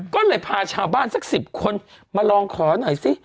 ก็เลยพาชาวบ้านสัก๑๐คนมาลองขอหน่อยสิ